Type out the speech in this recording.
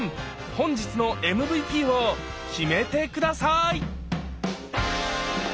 本日のＭＶＰを決めて下さい！